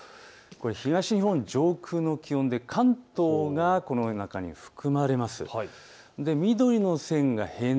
東日本上空の気温で関東がこの中に含まれます。